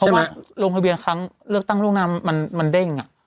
อืมเพราะว่าโรงทะเบียนครั้งเลือกตั้งลูกหน้ามันเด้งอ่ะ